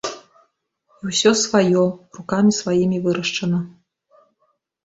І ўсё сваё, рукамі сваімі вырашчана.